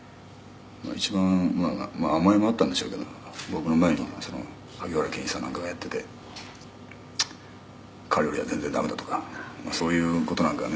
「一番甘えもあったんでしょうけども僕の前に萩原健一さんなんかがやっていて彼よりは全然駄目だとかそういう事なんかね